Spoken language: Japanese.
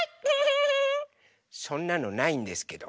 そんなのないんですけど。